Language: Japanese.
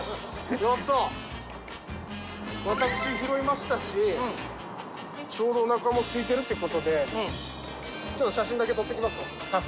私拾いましたしちょうどお腹も空いてるってことでちょっと写真だけ撮ってきますわ。